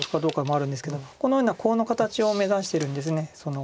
このようなコウの形を目指してるんです。